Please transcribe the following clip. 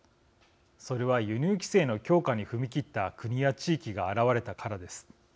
それは輸入規制の強化に踏み切った国や地域が現れたからです。